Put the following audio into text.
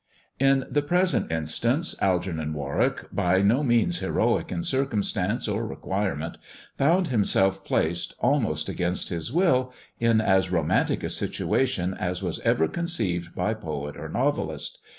In the present instance Algernon Warwick, by no means heroic in circumstance or requirement, found himself placed, almost against his will, in as romantic a situation as was ever conceived by poet or novelist.